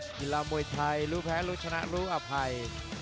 กีฬามวยไทยรู้แพ้รู้ชนะรู้อภัย